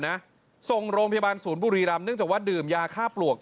ส่งโรงพยาบาลศูนย์บุรีรำเนื่องจากว่าดื่มยาฆ่าปลวก